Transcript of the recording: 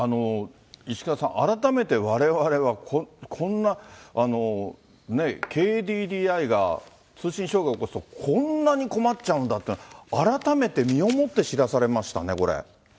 石川さん、改めてわれわれはこんなＫＤＤＩが通信障害起こすと、こんなに困っちゃうんだと、改めて身をもって知らされましたね。